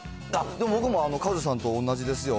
僕もカズさんと同じですよ。